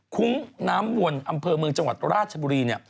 คุ้งน้ำวนอำเภอเมืองจังหวัดราชบุรี